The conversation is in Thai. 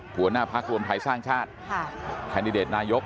หัวหน้าพักรวมไทยสร้างชาติแคนดิเดตนายก